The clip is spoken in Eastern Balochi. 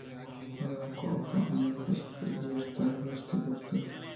پدا کاف ءَ آئی ءِ دست پہ گیشتر دوستی پرٛتک